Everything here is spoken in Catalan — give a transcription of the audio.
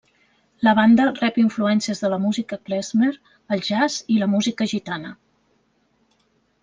La banda rep influències de la música Klezmer, el jazz i la música gitana.